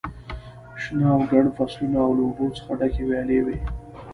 شنه او ګڼ فصلونه او له اوبو څخه ډکې ویالې وې.